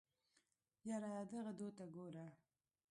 يره دغو دوو ته ګوره.